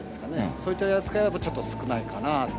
そういった扱いがちょっと少ないかなと。